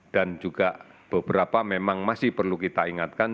dan juga beberapa memang masih perlu kita ingatkan